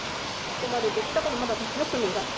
ここまでできたらまだ四隅が。